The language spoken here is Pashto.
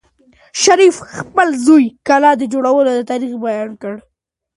شریف خپل زوی ته د کلا د جوړولو تاریخ بیان کړ.